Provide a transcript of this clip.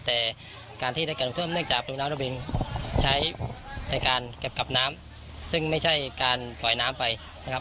แต่การที่ได้การเพิ่มเนื่องจากตัวน้ำระเบงใช้ในการเก็บกลับน้ำซึ่งไม่ใช่การปล่อยน้ำไปนะครับ